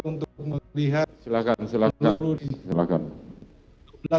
untuk melihat peluru